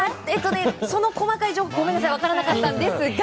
その細かい情報は分からなかったんですが。